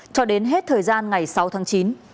cho đến hết thời gian ngày sáu tháng chín